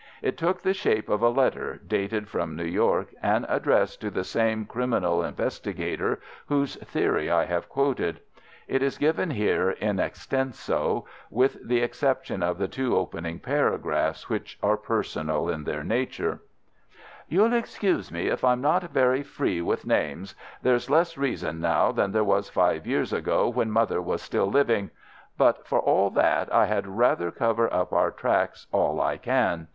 It took the shape of a letter dated from New York, and addressed to the same criminal investigator whose theory I have quoted. It is given here in extenso, with the exception of the two opening paragraphs, which are personal in their nature:— "You'll excuse me if I'm not very free with names. There's less reason now than there was five years ago when mother was still living. But for all that, I had rather cover up our tracks all I can.